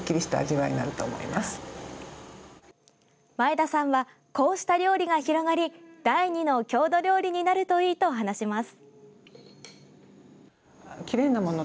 前田さんはこうした料理が広がり第２の郷土料理になるといいと話します。